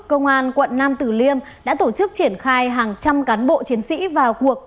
công an quận nam tử liêm đã tổ chức triển khai hàng trăm cán bộ chiến sĩ vào cuộc